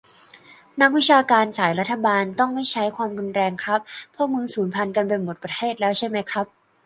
นักวิชาการสาย "รัฐบาลต้องไม่ใช้ความรุนแรง" ครับ พวกมึงสูญพันธุ์กันไปหมดประเทศแล้วใช่มั้ยครับ ?